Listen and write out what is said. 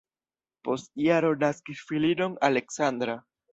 Post jaro naskis filinon Aleksandra.